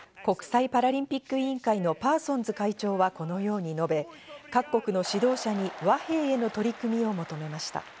国際パラリンピック委員会のパーソンズ会長はこのように述べ、各国の指導者に和平への取り組みを求めました。